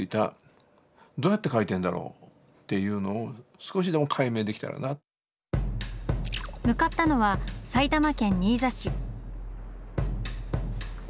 それだけで向かったのは埼玉県新座市。